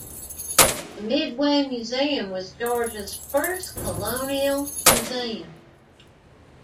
The Midway Museum was Georgia's first colonial museum.